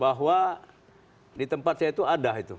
bahwa di tempat saya itu ada itu